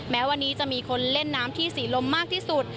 แม้วันนี้จะมีคนเล่นน้ำที่ศรีลมมากที่สุด